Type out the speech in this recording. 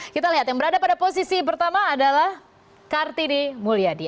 kita lihat yang berada pada posisi pertama adalah kartini mulyadi